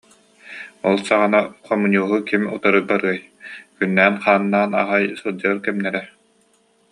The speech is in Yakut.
Ол саҕана хомуньууһу ким утары барыай, күннээн-хааннаан аҕай сылдьар кэмнэрэ